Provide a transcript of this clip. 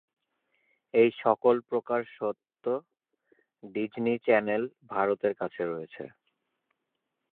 এই সকল প্রকার স্বত্ব ডিজনি চ্যানেল ভারতের কাছে রয়েছে।